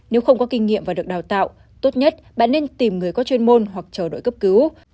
nếu không có kinh nghiệm và được đào tạo tốt nhất bạn nên tìm người có chuyên môn hoặc chờ đợi cấp cứu